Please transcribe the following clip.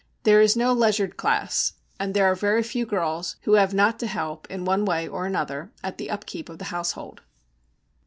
There is no leisured class, and there are very few girls who have not to help, in one way or another, at the upkeep of the household.